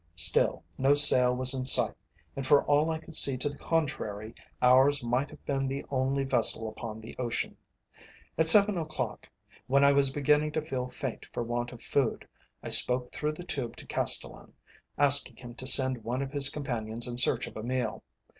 Still no sail was in sight, and for all I could see to the contrary, ours might have been the only vessel upon the ocean. At seven o'clock, when I was beginning to feel faint for want of food, I spoke through the tube to Castellan, asking him to send one of his companions in search of a meal.